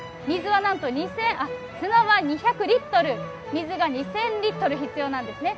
砂は２００リットル、水が２０００リットル必要なんですね。